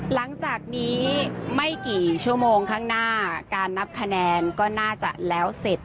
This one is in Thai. หลังจากนี้ไม่กี่ชั่วโมงข้างหน้าการนับคะแนนก็น่าจะแล้วเสร็จ